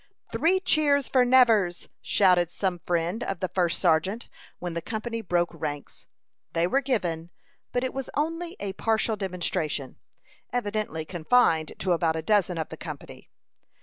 "Three cheers for Nevers!" shouted some friend of the first sergeant, when the company broke ranks. They were given, but it was only a partial demonstration, evidently confined to about a dozen of the company.